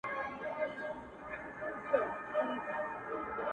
په لسگونو انسانان یې وه وژلي،